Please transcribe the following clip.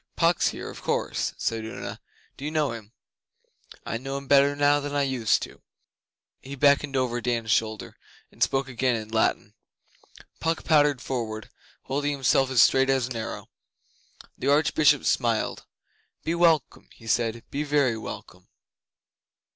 'Puck's here, of course,' said Una. 'Do you know him?' 'I know him better now than I used to.' He beckoned over Dan's shoulder, and spoke again in Latin. Puck pattered forward, holding himself as straight as an arrow. The Archbishop smiled. 'Be welcome,' said he. 'Be very welcome.